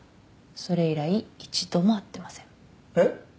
それ以来一度も会ってませんえっ？